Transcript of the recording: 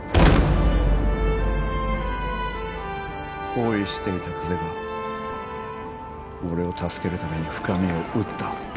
包囲していた久瀬が俺を助けるために深海を撃った。